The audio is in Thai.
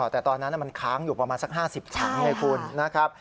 แต่ตอนนั้นมันค้างอยู่ประมาณสัก๕๐ชั่วโมงไงคุณ